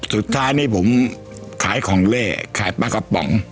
สุดท้ายนี่ผมขายของเล่ขายปลากระป๋อง